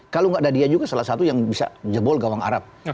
kalau nggak ada dia juga salah satu yang bisa jebol gawang arab